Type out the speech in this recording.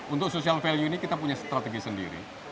untuk social value ini kita punya strategi sendiri